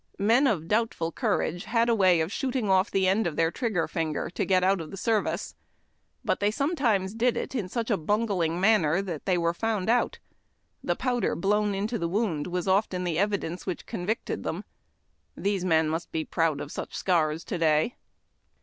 Men of doubtful courage had a way of shooting off the end of the trigo er finaer to o et out of service. But PLACING A WOUNDED MAN ON A STRETCHER. they sometimes did it in such a bungling manner that they were found out. The powder blown into the wound was often the evidence which convicted tliem. These men must be proud of such scars to day.